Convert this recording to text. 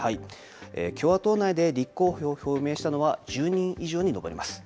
共和党内で立候補を表明したのは１０人以上に上ります。